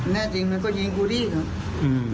แน่จริงมันก็ยิงกูดีครับ